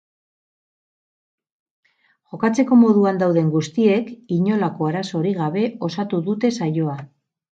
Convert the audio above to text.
Jokatzeko moduan dauden guztiek inolako arazorik gabe osatu dute saioa.